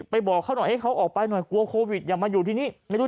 ไปบอกเขาให้เขาออกไปหน่อยกลัวโควิดยังมาอยู่ที่นี้ไม่รู้